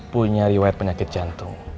punya riwayat penyakit jantung